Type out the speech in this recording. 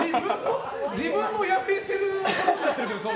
自分も辞めることになってるけど。